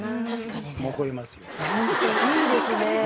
確かにね。